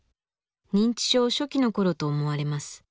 認知症初期の頃と思われます。